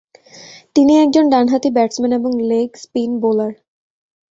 তিনি একজন ডানহাতি ব্যাটসম্যান এবং লেগ স্পিন বোলার।